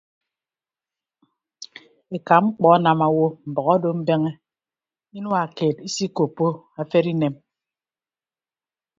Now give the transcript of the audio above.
Eka mkpọ anam owo mbʌk odo mbeñe inua keed isikoppo afere inem.